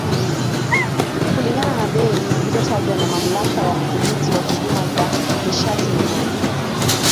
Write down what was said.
Kulingana na bei zilizotajwa na Mamlaka ya Udhibiti wa Huduma za Nishati na Maji,